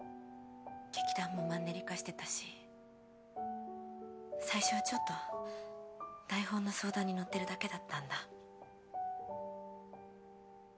劇団もマンネリ化してたし最初はちょっと台本の相談にのってるだけだったんだ。